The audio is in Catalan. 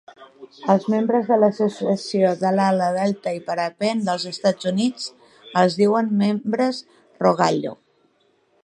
Als membres de l'Associació d'Ala Delta i Parapent dels Estats Units els diuen membres "Rogallo".